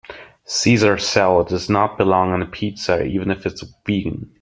Caesar salad does not belong on a pizza even if it is vegan.